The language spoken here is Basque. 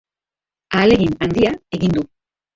Ahalegin handia egin du.